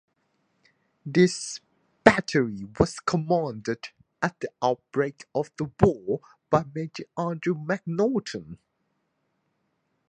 This battery was commanded at the outbreak of the war by Major Andrew McNaughton.